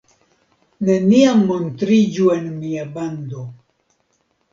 Neniam montriĝu en mia bando!